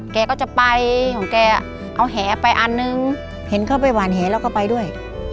แกก็จะไปของแกเอาแหไปอันนึงเห็นเขาไปหวานแหแล้วก็ไปด้วย